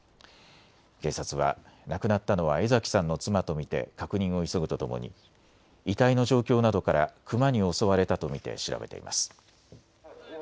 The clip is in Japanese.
警察は亡くなったのは江ざきさんの妻と見て確認を急ぐとともに遺体の状況などからクマに襲われたと見て調べています。